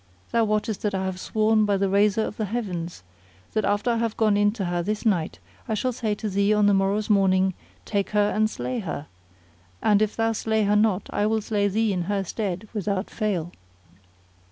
Thou wottest that I have sworn by the Raiser of the Heavens that after I have gone in to her this night I shall say to thee on the morrow's morning:—Take her and slay her! and, if thou slay her not, I will slay thee in her stead without fail."